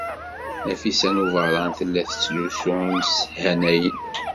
Nafisa n Ubeṛṛan tella testullus imeshanayen.